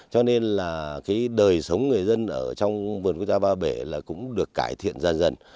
cho nên là đời sống người dân ở trong vườn quốc gia ba bể cũng được cải thiện dần dần